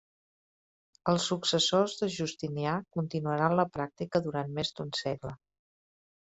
Els successors de Justinià continuaran la pràctica durant més d'un segle.